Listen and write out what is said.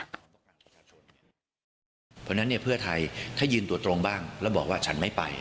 เพราะฉะนั้นเพื่อไทยถ้ายืนตัวตรงบ้างแล้วบอกว่าฉันไม่ไป